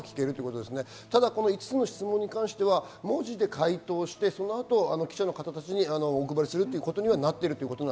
ただ５つの質問に関しては文字で回答して、そのあと記者の方たちにお配りするということになっているようです。